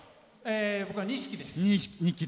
僕は錦です。